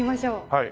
はい。